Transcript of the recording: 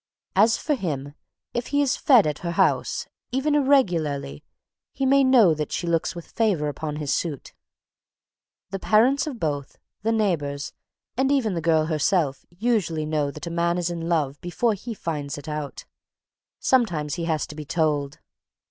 As for him, if he is fed at her house, even irregularly, he may know that she looks with favour upon his suit. [Sidenote: "Platonic Friendship"] The parents of both, the neighbours, and even the girl herself, usually know that a man is in love before he finds it out. Sometimes he has to be told.